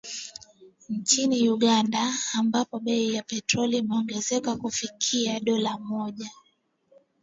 Nchini Uganda, ambapo bei ya petroli imeongezeka kufikia dola moja